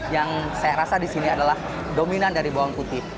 yang saya rasa di sini adalah dominan dari bawang putih